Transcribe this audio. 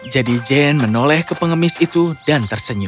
jadi jane menoleh ke pengemis itu dan tersenyum